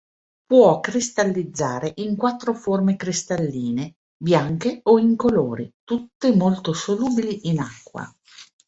Può cristallizzare in quattro forme cristalline, bianche o incolori, tutte molto solubili in acqua.